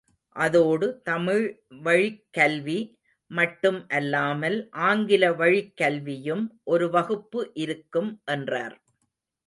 அதோடு தமிழ் வழிக் கல்வி மட்டும் அல்லாமல் ஆங்கில வழிக்கல்வியும் ஒரு வகுப்பு இருக்கும் என்றார்.